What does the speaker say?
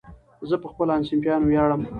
زه په خپلو همصنفیانو ویاړم.